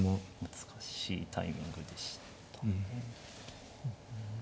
難しいタイミングでしたね。